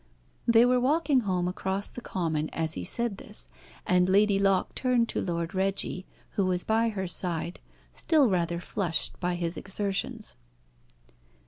They were walking home across the common as he said this, and Lady Locke turned to Lord Reggie, who was by her side, still rather flushed by his exertions.